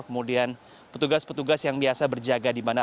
kemudian petugas petugas yang biasa berjaga di mana